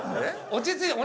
落ち着いて。